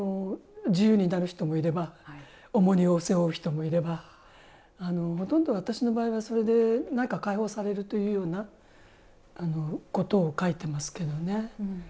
自由になる人もいれば重荷を背負う人もいればほとんど私の場合はそれで何か解放されるというようなことを書いてますけどね。